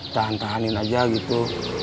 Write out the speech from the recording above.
tahan tahanin aja gitu